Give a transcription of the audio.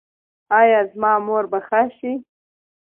ایا زما مور به ښه شي؟